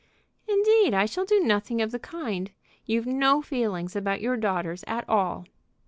"Indeed, I shall do nothing of the kind. You've no feeling about your daughters at all!"